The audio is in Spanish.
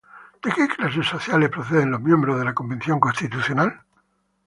¿De qué clases sociales proceden los miembros de la Convención Constitucional?